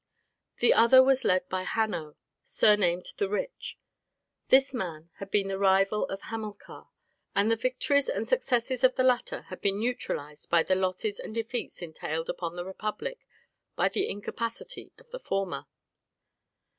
The other was led by Hanno, surnamed the Rich. This man had been the rival of Hamilcar, and the victories and successes of the latter had been neutralized by the losses and defeats entailed upon the republic by the incapacity of the former.